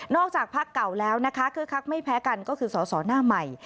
จากพักเก่าแล้วนะคะคึกคักไม่แพ้กันก็คือสอสอหน้าใหม่